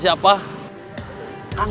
saya yang menang